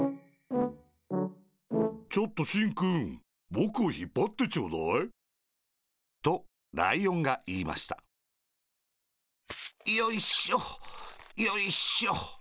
ちょっとしんくんぼくをひっぱってちょうだい。とライオンがいいましたよいしょよいしょ。